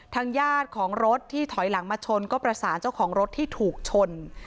ทางญาติของรถที่ถอยหลังมาชนก็ประสานเจ้าของรถที่ถูกชน